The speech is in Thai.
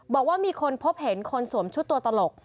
บอกว่ามีคนพบเห็นคนสวมชุดตัวตลก